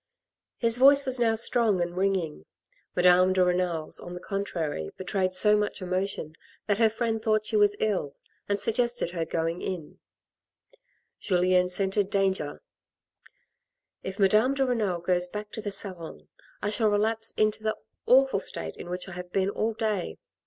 His voice was now strong and ringing. Madame de Renal's, on the contrary, betrayed so much emotion that her friend thought she was ill, and sug gested her going in. Julien scented danger, " if Madame de Renal goes back to the salon, I shall relapse into the awful 56 THE RED AND THE BLACK state in which I have been all day.